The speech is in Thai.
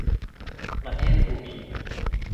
ประเทศกูมี